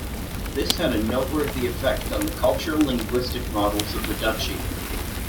This had a noteworthy effect on the cultural linguistic models of the Duchy.